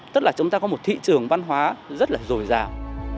tức là chúng ta có một thị trường văn hóa rất là dồi dào